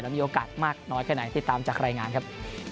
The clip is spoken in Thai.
มีโอกาสมากน้อยแค่ไหนติดตามจากรายงานครับ